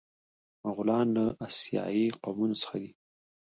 مغولان له اسیایي قومونو څخه دي.